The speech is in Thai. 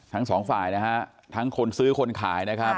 ทั้งสองฝ่ายนะฮะทั้งคนซื้อคนขายนะครับ